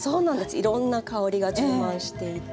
いろんな香りが充満していて。